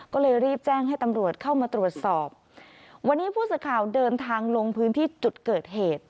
ก็เลยรีบแจ้งให้ตำรวจเข้ามาตรวจสอบวันนี้ผู้สื่อข่าวเดินทางลงพื้นที่จุดเกิดเหตุ